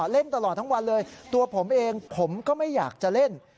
เล่นตลอดทั้งวันเลยตัวผมเองผมก็ไม่อยากจะเล่น